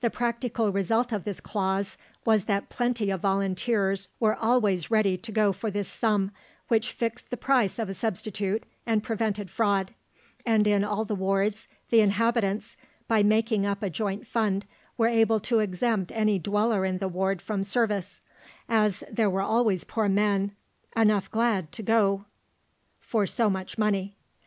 The practical result of this clause was that plenty of volunteers were always ready to go for this sum, which fixed the price of a substitute and prevented fraud; and in all the wards, the inhabitants, by making up a joint fund, were able to exempt any dweller in the ward from service, as there were always poor men enough glad to go for so much money.